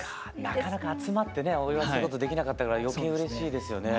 なかなか集まってねお祝いすることできなかったから余計うれしいですよね。